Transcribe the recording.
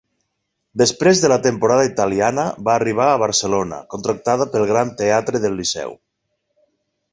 Després de la temporada italiana va arribar a Barcelona, contractada pel Gran Teatre del Liceu.